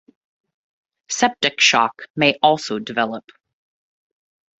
Septic shock may also develop.